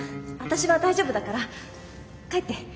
私は大丈夫だから帰って。